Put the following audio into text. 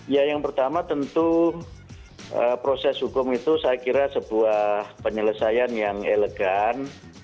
ya yang pertama tentu proses hukum itu saya kira sebuah penyelesaian yang elegan